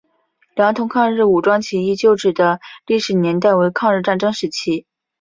良垌抗日武装起义旧址的历史年代为抗日战争时期。